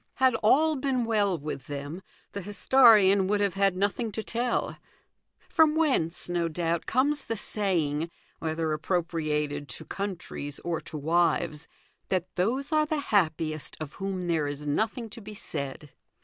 Had all been well with them the historian THE GOLDEN RULE. 275 would have had nothing to tell ; from whence, no doubt, comes the saying, whether appro priated to countries or to wives, that those are the happiest of whom there is nothing to be said.